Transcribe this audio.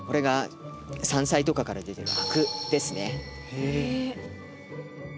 へえ！